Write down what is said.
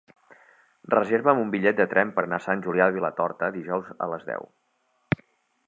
Reserva'm un bitllet de tren per anar a Sant Julià de Vilatorta dijous a les deu.